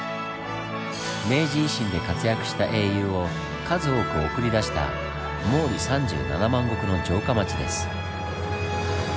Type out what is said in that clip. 明治維新で活躍した英雄を数多く送り出した毛利３７万石の城下町です。